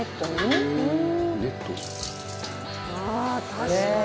確かに！